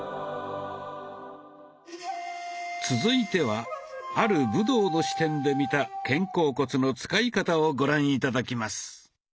続いてはある武道の視点で見た「肩甲骨の使い方」をご覧頂きます。